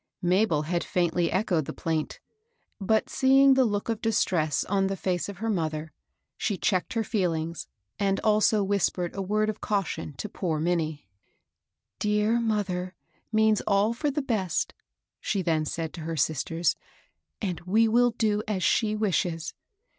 Mabel had &intly echoed the plaint; but see 20 UABBL ROSS. ing the look of distress on the fiice of her mother, she checked her feeHngs, and also whispered a word of caution to poor Minnie. "Dear mother means all for the best," she then said to her sisters, " and we will do as she wishes.